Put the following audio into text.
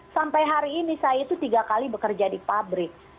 sampai hari ini saya itu tiga kali bekerja di pabrik